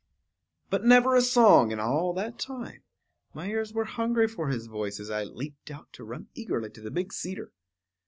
But never a song in all that time; my ears were hungry for his voice as I leaped out to run eagerly to the big cedar.